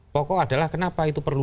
pokok adalah kenapa itu perlu